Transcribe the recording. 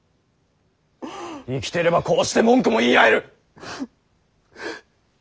生きてればこうして文句も言い合える。